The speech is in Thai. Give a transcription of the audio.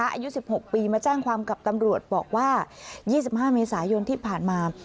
อายุ๑๖ปีมาแจ้งความกับตำรวจบอกว่า๒๕เมษายนที่ผ่านมา